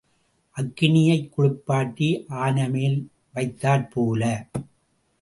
அக்கினியைக் குளிப்பாட்டி ஆனைமேல் வைத்தாற் போல,